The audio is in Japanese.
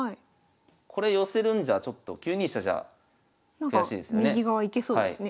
これ寄せるんじゃちょっと９二飛車じゃ悔しいですよね。